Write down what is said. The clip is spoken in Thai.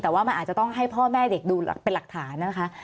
แต่ว่ามันอาจจะต้องให้พ่อแม่เด็กดูเป็นหลักฐานนะคะ